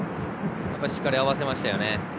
しっかり合わせましたよね。